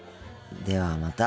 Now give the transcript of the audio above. ではまた。